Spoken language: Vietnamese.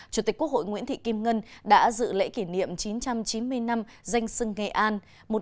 chủ tịch quốc hội nguyễn thị kim ngân đã dự lễ kỷ niệm chín trăm chín mươi năm danh sưng nghệ an